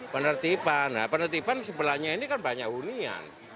penetipan penetipan sebelahnya ini kan banyak unian